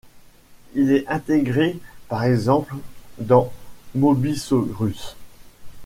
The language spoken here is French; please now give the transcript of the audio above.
Il est intégré par exemple dans mobysaurus.